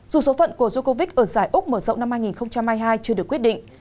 dù số phận của ducovich ở giải úc mở rộng năm hai nghìn hai mươi hai chưa được quyết định